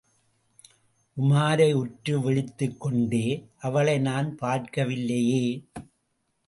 உமாரை உற்று விழித்துக் கொண்டே, அவளை நான் பார்க்கவில்லையே!